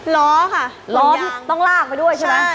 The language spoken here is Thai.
ล้อฯค่ะมันยางใช่หรอหรือล้อต้องลากไปด้วยใช่ไหม